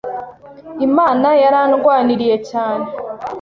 Imana yarandwaniriye cyane.